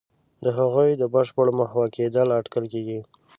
د هغوی د بشپړ محو کېدلو اټکل کېږي.